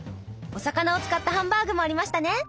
お魚を使ったハンバーグもありましたね。